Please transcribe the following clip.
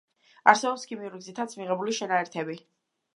არსებობს ქიმიური გზითაც მიღებული შენაერთები.